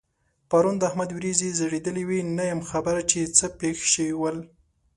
پرون د احمد وريځې ځړېدلې وې؛ نه یم خبر چې څه پېښ شوي ول؟